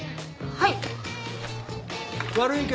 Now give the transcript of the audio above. はい。